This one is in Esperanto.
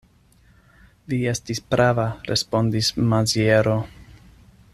Vi estis prava, respondis Maziero.